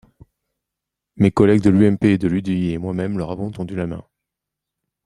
Mes collègues de l’UMP et de l’UDI et moi-même leur avons tendu la main.